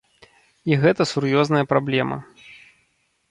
І гэта сур'ёзная праблема.